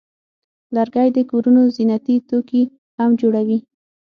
لرګی د کورونو زینتي توکي هم جوړوي.